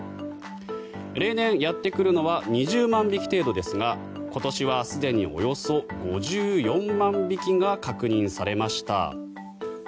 例年、やってくるのは２０万匹程度ですが今年はすでにおよそ５４万匹が確認されました。